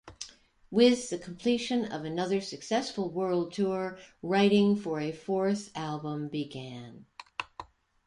With the completion of another successful world tour, writing for a fourth album began.